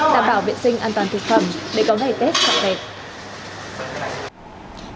đảm bảo vệ sinh an toàn thực phẩm để có ngày tết sẵn đẹp